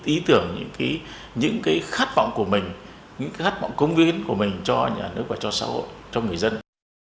ý tưởng những cái khát vọng của mình những cái khát vọng công viên của mình cho nhà nước và cho xã hội cho người dân